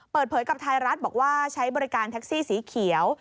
เปิดเผยกับไทยรัฐบอกว่าใช้บริการแท็กซี่สีเขียว